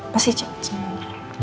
pasti cepet sekali